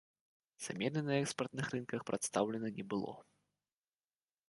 Замены на экспартных рынках прадстаўлена не было.